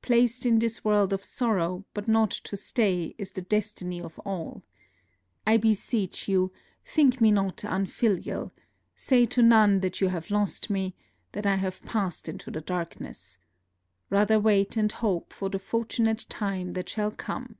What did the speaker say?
Placed in this world of sorrow, but not to stay, is the destiny of all. I beseech you, think me not unfilial; say to none that you have lost me, that I have passed into the darkness. Rather wait and hope for the fortunate time that shall come."